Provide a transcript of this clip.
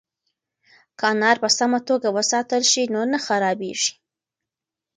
که انار په سمه توګه وساتل شي نو نه خرابیږي.